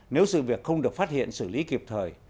nếu sự việc không được phát hiện xử lý kịp thời